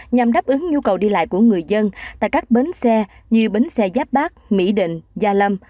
nhằm đáp ứng nhu cầu đi lại của người dân tại các bến xe như bến xe giáp bát mỹ định gia lâm